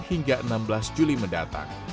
hingga enam belas juli mendatang